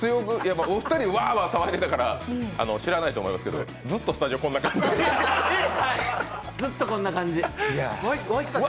お二人、ワーワー騒いでたから知らないと思いますけど、ずっとスタジオ、こんな感じでした